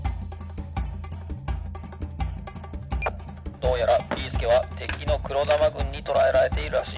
「どうやらビーすけはてきのくろだまぐんにとらえられているらしい。